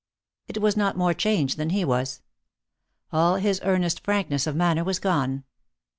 It was not more changed than he was. All his earnest frankness of manner was gone.